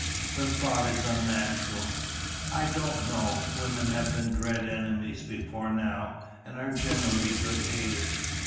"The thought is unnatural!" "I don't know; women have been dread enemies before now, and are generally good haters.